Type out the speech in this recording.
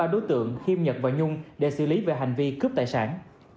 ba đối tượng khiêm nhật và nhung để xử lý về hành vi cướp tài sản